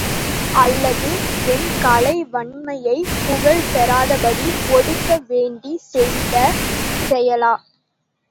அல்லது என் கலைவன்மையைப் புகழ் பெறாதபடி ஒடுக்க வேண்டிச் செய்த செயலா?